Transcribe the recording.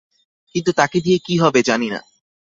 কিন্তু তাকে দিয়ে কী হবে জানি না!